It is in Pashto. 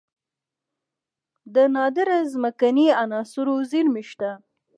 د نادره ځمکنۍ عناصرو زیرمې شته